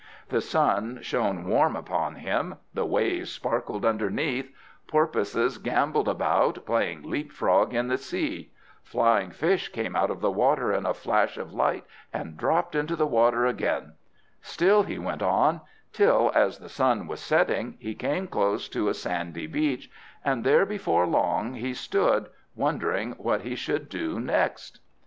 The sun shone warm upon him, the waves sparkled underneath; porpoises gambolled about, playing leap frog in the sea; flying fish came out of the water in a flash of light, and dropped into the water again; still he went on, till, as the sun was setting, he came close to a sandy beach; and there before long he stood, wondering what he should do next.